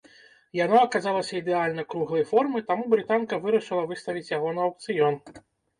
Яно аказалася ідэальна круглай формы, таму брытанка вырашыла выставіць яго на аўкцыён.